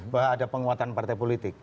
bahwa ada penguatan partai politik